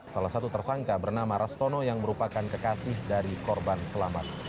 salah satu tersangka bernama rastono yang merupakan kekasih dari korban selamat